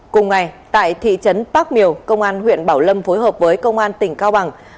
cùng ngày tại thị trấn bác miều công an huyện bảo lâm phối hợp với công an tỉnh cao bằng